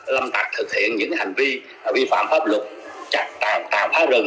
lâm tạc thực hiện những hành vi vi phạm pháp luật chặt phá rừng